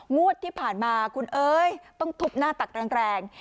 งวดที่ผ่านมาคุณเอ๋ยต้องทุบหน้าตักแรง